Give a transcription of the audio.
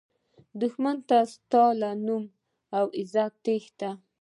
دښمن ستا له نوم او عزته تښتي